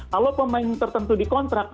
kalau pemain tertentu dikontrak